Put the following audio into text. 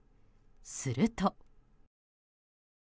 すると。